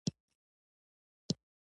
غږ په اوبو کې له هوا تېز ځي.